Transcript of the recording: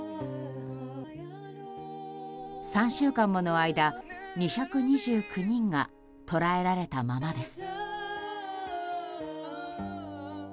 ３週間もの間２２９人が捕らえられたままです。